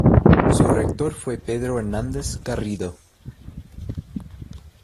Su rector fue Pedro Hernández Garrido.